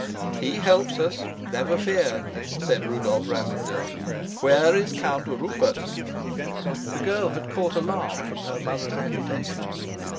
"He helps us, never fear," said Rudolf Rassendyll. "Where is Count Rupert?" The girl had caught alarm from her mother's agitation.